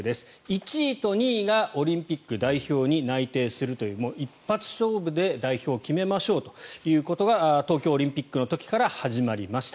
１位と２位がオリンピック代表に内定するという一発勝負で代表を決めましょうということが東京オリンピックの時から始まりました。